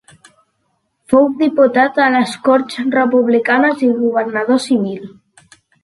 Fou diputat a les Corts Republicanes i governador civil.